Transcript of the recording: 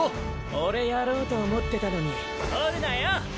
オレやろうと思ってたのに取るなよ！